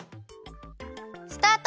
スタート！